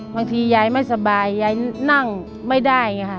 บางทียายไม่สบายยายนั่งไม่ได้อย่างนี้ค่ะ